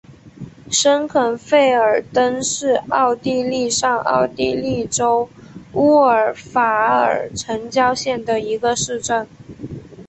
申肯费尔登是奥地利上奥地利州乌尔法尔城郊县的一个市镇。